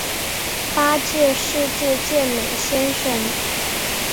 八届世界健美先生。